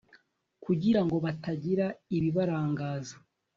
kugira ngo batagira ibibarangaza